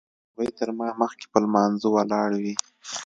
هغوی تر ما مخکې په لمانځه ولاړ وي.